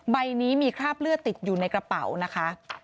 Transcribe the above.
ใบนี้มีคราบเลือดติดอยู่ในกระเป๋านะคะ